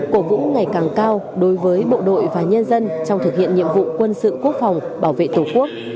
cổ vũ ngày càng cao đối với bộ đội và nhân dân trong thực hiện nhiệm vụ quân sự quốc phòng bảo vệ tổ quốc